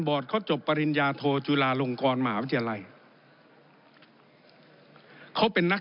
เขาจบปริญญาโทจุฬาลงกรมหาวิทยาลัยเขาเป็นนัก